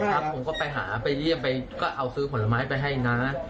ผมก็ไปหาไปเรียกไปก็เอาซื้อผลไม้ไปให้นะ